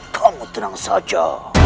kamu tenang saja